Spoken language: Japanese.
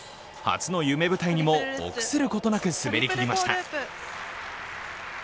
初の夢舞台にも臆することなく滑りきりました。